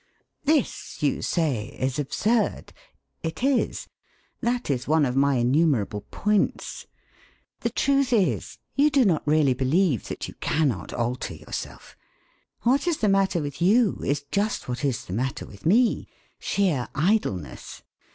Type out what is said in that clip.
This, you say, is absurd. It is. That is one of my innumerable points. The truth is, you do not really believe that you cannot alter yourself. What is the matter with you is just what is the matter with me sheer idleness.